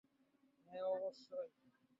হ্যাঁ, অবশ্যই!